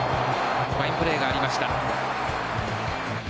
ファインプレーがありました。